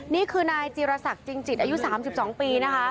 นี่คือนายจิรษคจิ้นจิตอายุ๓๒ปี